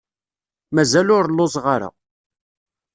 Mazal ur lluẓeɣ ara.